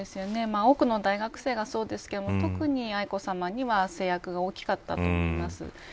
多くの大学生がそうですが特に愛子さまには制約が大きかったと思います。